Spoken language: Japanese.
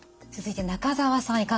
続いて中澤さん